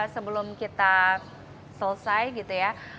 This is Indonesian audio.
sebelum kita selesai gitu ya